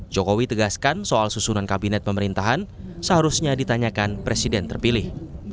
jokowi tegaskan soal susunan kabinet pemerintahan seharusnya ditanyakan presiden terpilih